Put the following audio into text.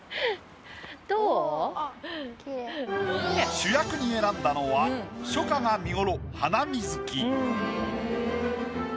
主役に選んだのは初夏が見頃。